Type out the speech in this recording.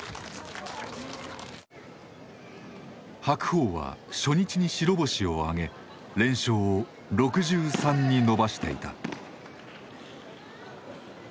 白鵬は初日に白星をあげ連勝を６３に伸ばしていた。